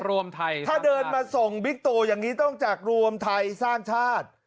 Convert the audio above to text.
ถ้าเดินมาส่งบิ๊กตูอย่างนี้ต้องจากรวมไทยสร้างชาติ